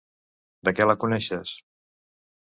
De què la coneixes?